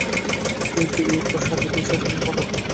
তুমি কি এই প্রাসাদে বিচরণ করো?